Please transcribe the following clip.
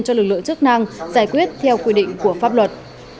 cho lực lượng chức năng giải quyết theo quy định của pháp luật